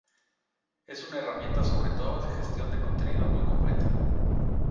Es una herramienta sobre todo de gestión de contenido muy completa.